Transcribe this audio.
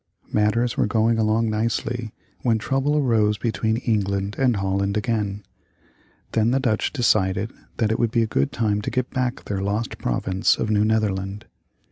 Matters were going along nicely when trouble arose between England and Holland again. Then the Dutch decided that it would be a good time to get back their lost province of New Netherland.